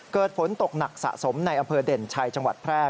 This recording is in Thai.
เกิดฝนตกหนักสะสมในอำเภอเด่นชัยจังหวัดแพร่